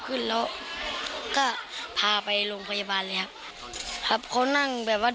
ขึ้นแล้วก็พาไปโรงพยาบาลเลยครับครับเขานั่งแบบว่า